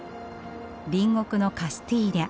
隣国のカスティーリャ